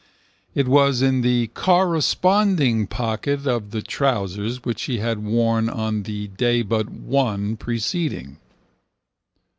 It was in the corresponding pocket of the trousers which he had worn on the day but one preceding.